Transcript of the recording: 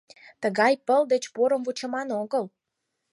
— Тыгай пыл деч порым вучыман огыл.